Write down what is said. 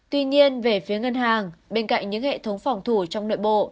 tuy nhiên về phía ngân hàng bên cạnh những hệ thống phòng thủ trong nội bộ